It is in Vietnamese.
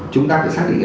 chúng ta phải xác định